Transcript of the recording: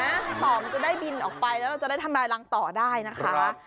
ต่อมันจะได้บินออกไปแล้วเราจะได้ทำลายรังต่อได้นะคะ